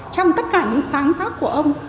trong tất cả những sáng tác của ông